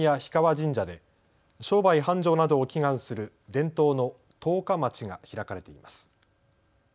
神社で商売繁盛などを祈願する伝統の十日市が開かれています。